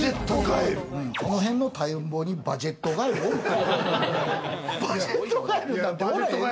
この辺の田んぼにバジェットガエル、おるか？